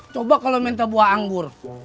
coba kalau minta buah anggur